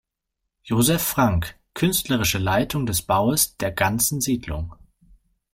Josef Frank, künstlerische Leitung des Baues der ganzen Siedlung